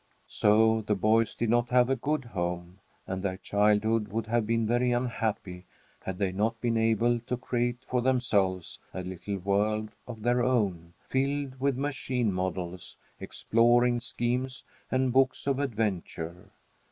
So the boys did not have a good home, and their childhood would have been very unhappy had they not been able to create for themselves a little world of their own, filled with machine models, exploring schemes, and books of adventure.